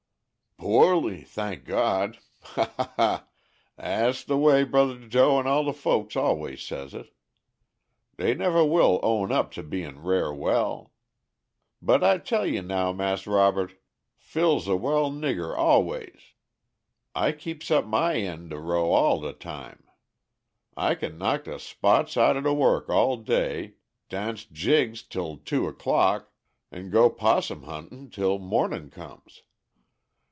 "Poorly, thank God. Ha! ha! ha! Dat's de way Bro' Joe and all de folks always says it. Dey never will own up to bein' rale well. But I tell ye now Mas' Robert, Phil's a well nigger always. I keeps up my eend de row all de time. I kin knock de spots out de work all day, daunce jigs till two o'clock, an' go 'possum huntin' till mornin' comes.